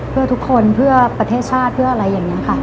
เพื่อทุกคนเพื่อประเทศชาติเพื่ออะไรอย่างนี้ค่ะ